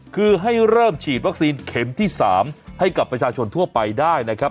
คือให้เริ่มฉีดวัคซีนเข็มที่๓ให้กับประชาชนทั่วไปได้นะครับ